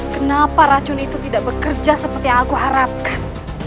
kenapa racun itu tidak bekerja seperti yang aku harapkan